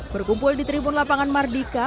berkumpul di tribun lapangan mardika